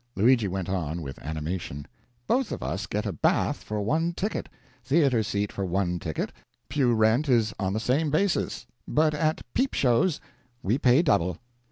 Luigi went on, with animation: "Both of us get a bath for one ticket, theater seat for one ticket, pew rent is on the same basis, but at peep shows we pay double."